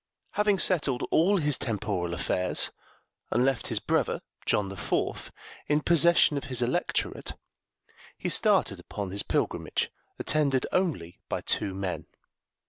Having settled all his temporal affairs, and left his brother, John the Fourth, in possession of his electorate, he started upon his pilgrimage, attended only by two men.